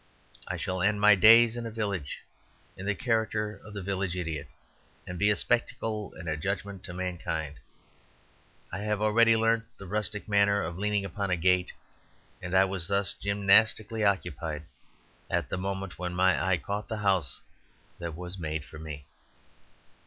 I shall end my days in a village, in the character of the Village Idiot, and be a spectacle and a judgment to mankind. I have already learnt the rustic manner of leaning upon a gate; and I was thus gymnastically occupied at the moment when my eye caught the house that was made for me.